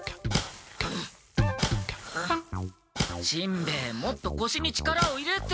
しんべヱもっとこしに力を入れて。